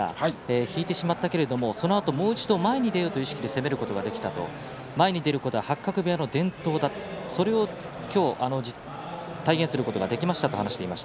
引いてしまったけれどもそのあともう一度前へ出ようという意識で攻めることができた前に出ることは八角部屋の伝統だと、それも体現することができましたと話しています。